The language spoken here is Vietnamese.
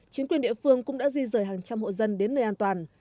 chính quyền địa phương cũng đã di rời hàng trăm hộ dân đến nơi an toàn